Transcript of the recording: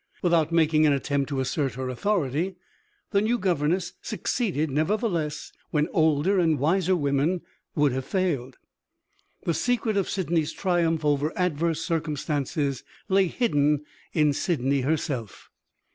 Without making an attempt to assert her authority, the new governess succeeded nevertheless when older and wiser women would have failed. The secret of Sydney's triumph over adverse circumstances lay hidden in Sydney herself.